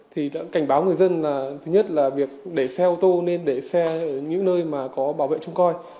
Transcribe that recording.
thì đã cảnh báo người dân là thứ nhất là việc để xe ô tô nên để xe ở những nơi mà có bảo vệ trông coi